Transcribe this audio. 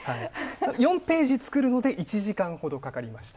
４ページ作るのに１時間ほどかかりました。